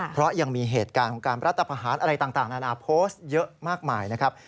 เพราะยังมีเหตุการณ์ของการรัฐประหารอะไรต่างนานาโพสต์เยอะมากมายนะครับ